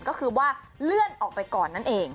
ก็คือว่าเลื่อนออกไปก่อนนั่นเอง